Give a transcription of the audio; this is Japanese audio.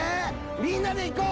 みんなで行こう！